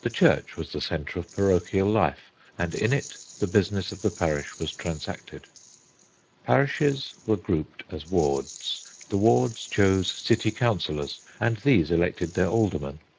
The church was the centre of parochial life and in it the business of the parish was transacted. "Parishes were grouped as wards. The wards chose city Councillors, and these elected their Aldermen.